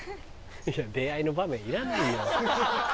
出会いの場面いらないよ。